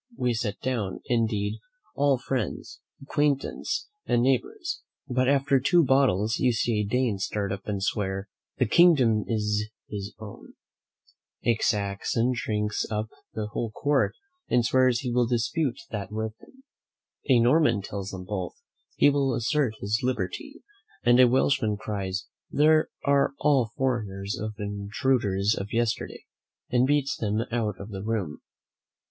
We sit down, indeed, all friends, acquaintance, and neighbours; but after two bottles you see a Dane start up and swear, "the kingdom is his own." A Saxon drinks up the whole quart, and swears he will dispute that with him. A Norman tells them both, he will assert his liberty; and a Welshman cries, "They are all foreigners and intruders of yesterday," and beats them out of the room.